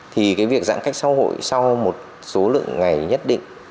thì cái việc giãn cách xã hội sau một số lượng ngày nhất định